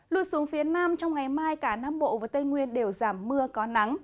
lui xuống phía nam trong ngày mai cả nam bộ và tây nguyên đều giảm mưa có nắng